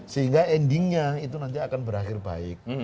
sehingga endingnya itu nanti akan berakhir baik